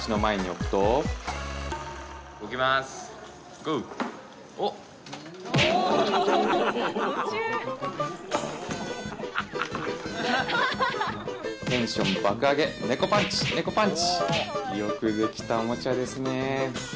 よくできたおもちゃですね